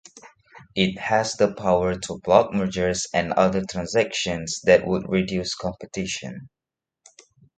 It has the power to block mergers and other transactions that would reduce competition.